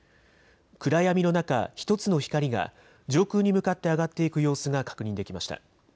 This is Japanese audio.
暗闇の中、１つの光が上空に向かって上がっていく様子が確認できました。